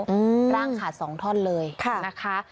อืมร่างขาดสองท่อนเลยค่ะนะคะ